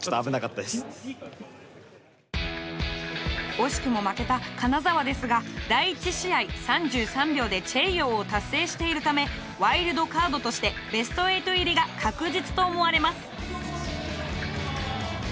惜しくも負けた金沢ですが第１試合３３秒でチェイヨーを達成しているためワイルドカードとしてベスト８入りが確実と思われます。